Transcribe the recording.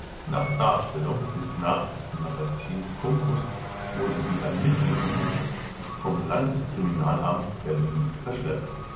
Nach Darstellung des Nachrichtenmagazins Focus wurden die Ermittlungen vom Landeskriminalamt Berlin verschleppt.